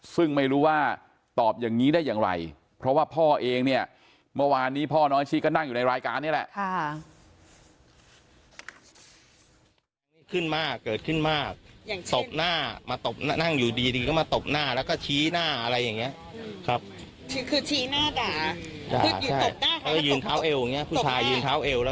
ซึ่งไม่รู้ว่าตอบอย่างนี้ได้อย่างไรเพราะว่าพ่อเองเนี่ยเมื่อวานนี้พ่อน้อยชี้ก็นั่งอยู่ในรายการนี่แหละ